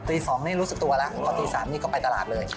๒นี่รู้สึกตัวแล้วพอตี๓นี่ก็ไปตลาดเลย